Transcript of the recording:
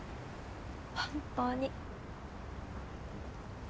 本当に。